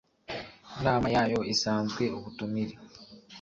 nama yayo isanzwe Ubutumire